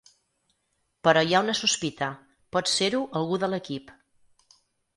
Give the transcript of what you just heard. Però hi ha una sospita: pot ser-ho algú de l’equip.